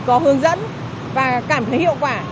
có hướng dẫn và cảm thấy hiệu quả